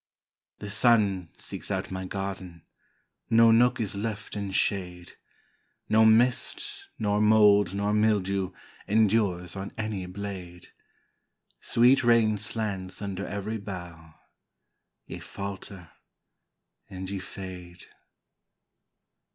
The sun seeks out my garden, No nook is left in shade, No mist nor mould nor mildew Endures on any blade, Sweet rain slants under every bough: Ye falter, and ye fade.